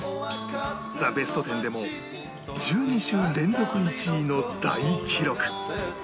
『ザ・ベストテン』でも１２週連続１位の大記録